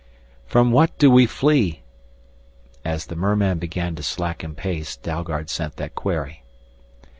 "From what do we flee?" As the merman began to slacken pace, Dalgard sent that query.